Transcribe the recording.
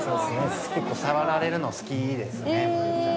結構触られるの好きですねむぅちゃん。